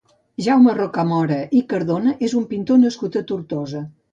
Jaume Rocamora i Cardona és un pintor nascut a Tortosa.